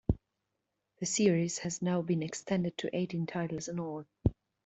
The series has now been extended to eighteen titles in all.